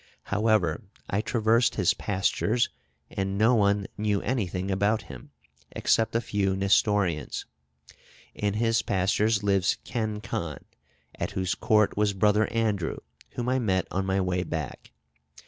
However, I traversed his pastures, and no one knew anything about him, except a few Nestorians. In his pastures lives Ken Khan, at whose court was Brother Andrew, whom I met on my way back.